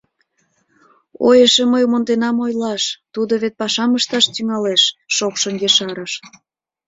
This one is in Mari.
— О, эше мый монденам ойлаш: тудо вет пашам ышташ тӱҥалеш! — шокшын ешарыш.